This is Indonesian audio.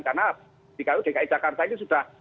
karena di dki jakarta itu sudah